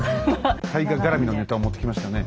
大河絡みのネタを持ってきましたね。